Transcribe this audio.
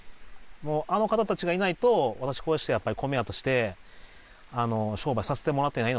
あの方たちがいないと私こうしてやっぱり米屋として商売させてもらっていないので。